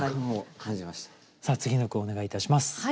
さあ次の句をお願いいたします。